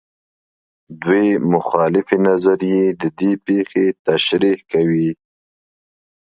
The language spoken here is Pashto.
دوې مخالفې نظریې د دې پېښو تشریح کوي.